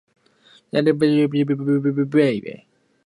In July, Weaver's fellow players elected him to his second All-Star Game.